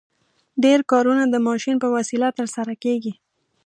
ډېر کارونه د ماشین په وسیله ترسره کیږي.